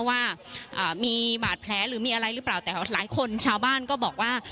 ว่ามีบาดแผลหรือมีอะไรหรือเปล่าแต่หลายคนชาวบ้านก็บอกว่า